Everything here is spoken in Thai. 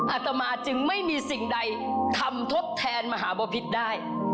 อาตมาจึงไม่มีสิ่งใดทำทดแทนมหาบพิษได้